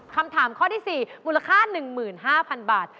คำถามข้อที่๔มูลค่า๑๕๐๐๐บาท